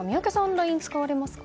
ＬＩＮＥは使われますか？